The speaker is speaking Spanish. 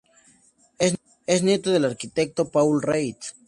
Es nieto del arquitecto Paul Ritter.